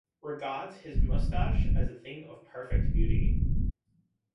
Regards his moustache as a thing of perfect beauty.